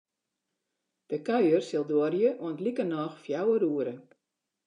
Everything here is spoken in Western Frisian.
De kuier sil duorje oant likernôch fjouwer oere.